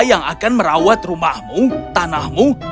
yang akan merawat rumahmu tanahmu